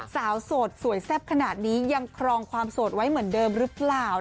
สาวโสดสวยแซ่บขนาดนี้ยังครองความโสดไว้เหมือนเดิมหรือเปล่า